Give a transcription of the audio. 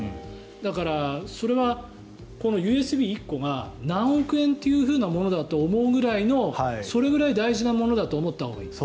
だからそれは、ＵＳＢ１個が何億円だというものだと思うぐらいのそれぐらい大事なものだと思ったほうがいい。